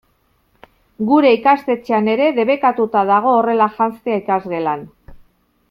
Gure ikastetxean ere debekatuta dago horrela janztea ikasgelan.